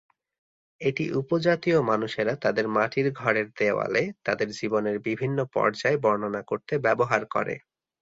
এটি উপজাতীয় মানুষেরা তাদের মাটির ঘরের দেওয়ালে তাদের জীবনের বিভিন্ন পর্যায় বর্ণনা করতে ব্যবহার করে।